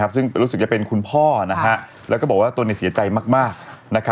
ซึ่งรู้สึกจะเป็นคุณพ่อแล้วก็บอกว่าตนเสียใจมาก